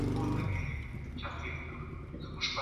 ښه داده، چي د خپل وسع مطابق وليمه وسي.